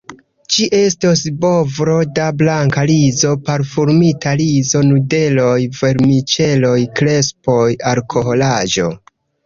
Ĝi estos bovlo da blanka rizo, parfumita rizo, nudeloj, vermiĉeloj, krespoj, alkoholaĵo.